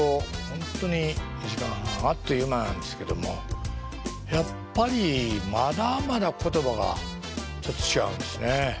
本当に２時間半あっという間なんですけどもやっぱりまだまだ言葉がちょっと違うんですね。